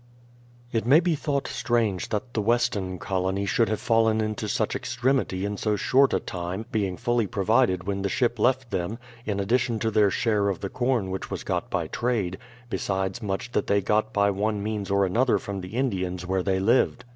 It may be thought strange that the Weston colony should have fallen into such extremity in so short a time being fully provided w^hen the ship left them, *in addition to their share of the corn which was got by trade, besides much that they got by one means or another from the Indians where they lived.